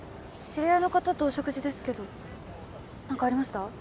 知り合いの方とお食事ですけど何かありました？